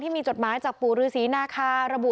ที่มีจดหมายจากปูรือศรีนาคาระบุ